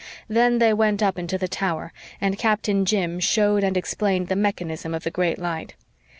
Then they went up into the tower, and Captain Jim showed and explained the mechanism of the great light.